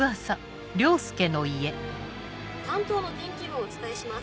関東の天気をお伝えします。